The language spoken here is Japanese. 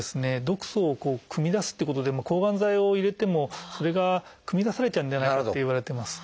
毒素をくみ出すっていうことで抗がん剤を入れてもそれがくみ出されちゃうんじゃないかっていわれてます。